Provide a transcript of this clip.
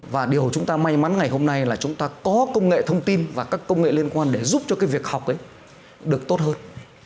và điều chúng ta may mắn ngày hôm nay là chúng ta có công nghệ thông tin và các công nghệ liên quan để giúp cho cái việc học ấy được tốt hơn